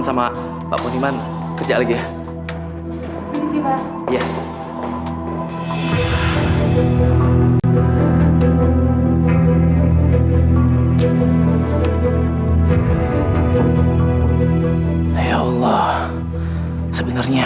kamu yang mengirim foto ke rumah saya